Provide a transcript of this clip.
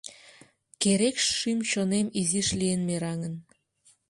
Керек шӱм-чонем изиш лийын мераҥын